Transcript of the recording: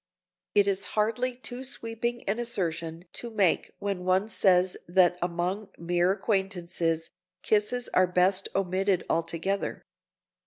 It is hardly too sweeping an assertion to make when one says that among mere acquaintances, kisses are best omitted altogether.